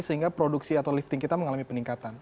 sehingga produksi atau lifting kita mengalami peningkatan